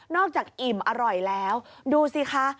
อกจากอิ่มอร่อยแล้วดูสิคะ